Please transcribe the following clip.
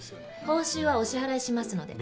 報酬はお支払いしますので。